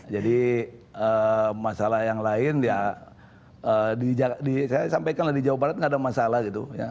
jadi masalah yang lain ya saya sampaikan lah di jawa barat nggak ada masalah gitu ya